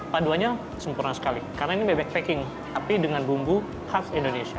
paduannya sempurna sekali karena ini bebek packing tapi dengan bumbu khas indonesia